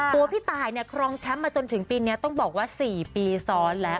พี่ตายเนี่ยครองแชมป์มาจนถึงปีนี้ต้องบอกว่า๔ปีซ้อนแล้ว